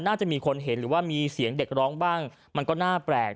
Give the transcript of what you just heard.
น่าจะมีคนเห็นหรือว่ามีเสียงเด็กร้องบ้างมันก็น่าแปลก